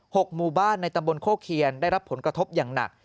หกหมู่บ้านในตำบลโคเคียนได้รับผลกระทบอย่างหนัก